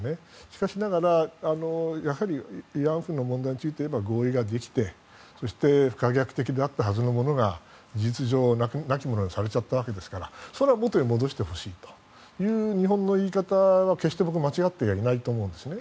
しかしながら慰安婦の問題についていえば合意ができて、そして不可逆的であったはずのものが実情なきものにされちゃったわけですからそれは元に戻してほしいという日本の言い方は決して僕は間違ってないと思うんですね。